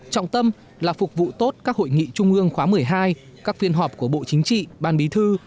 trọng tâm là phục vụ tốt các hội nghị trung ương khóa một mươi hai các phiên họp của bộ chính trị ban bí thư